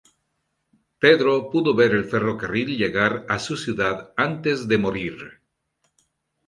Pedro pudo ver el ferrocarril llegar a su ciudad antes de morir.